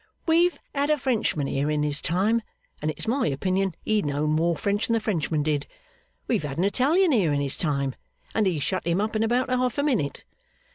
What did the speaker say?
We've had a Frenchman here in his time, and it's my opinion he knowed more French than the Frenchman did. We've had an Italian here in his time, and he shut him up in about half a minute.